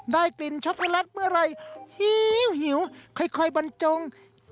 ได้กลิ่นช็อกโกแลตเมื่อไหร่หิวค่อยบรรจง